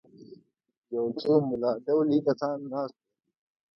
یو څو ملا ډولي کسان ناست وو.